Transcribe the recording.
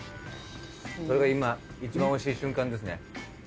それが今一番おいしい瞬間ですね。